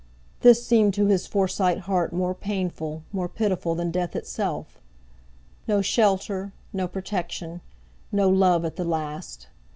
This seemed to his Forsyte heart more painful, more pitiful than death itself. No shelter, no protection, no love at the last!